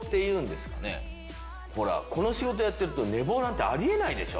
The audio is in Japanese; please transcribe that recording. ほらこの仕事やってると寝坊なんてあり得ないでしょ。